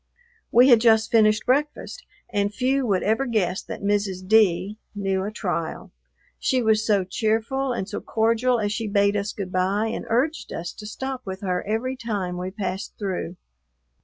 We had just finished breakfast, and few would ever guess that Mrs. D knew a trial; she was so cheerful and so cordial as she bade us good bye and urged us to stop with her every time we passed through.